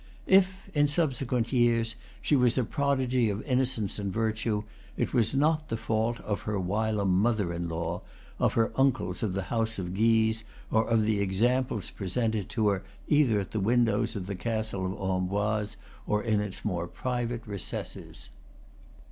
If in subsequent years she was a prodigy of innocence and virtue, it was not the fault of her whilom ??? mother in law, of her uncles of the house of Guise, or of the examples presented to her either at the windows of the castle of Amboise or in its more pri vate recesses.